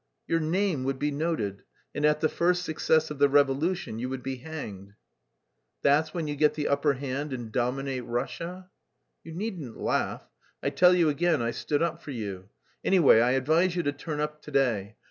"Your name would be noted, and at the first success of the revolution you would be hanged." "That's when you get the upper hand and dominate Russia?" "You needn't laugh. I tell you again, I stood up for you. Anyway, I advise you to turn up to day.